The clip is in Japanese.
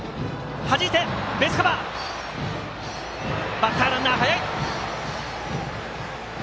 バッターランナー速い！